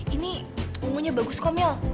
ini ungunya bagus kok mil